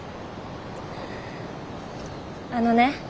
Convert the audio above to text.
あのね。